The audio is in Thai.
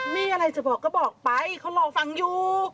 มีอะไรจะบอกก็บอกไปเขารอฟังอยู่